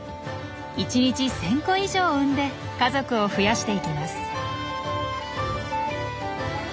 １日１，０００個以上産んで家族を増やしていきます。